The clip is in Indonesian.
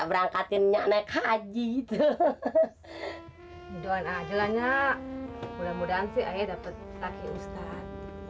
minyak naik haji itu doang ajalahnya mudah mudahan siaya dapat lagi ustadz